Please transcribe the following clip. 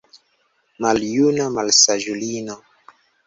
Maljuna malsaĝulino?